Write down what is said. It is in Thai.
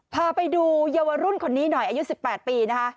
พาไปดูเยาวรุ่นคนนี้หน่อยอายุ๑๘ปีนะคะ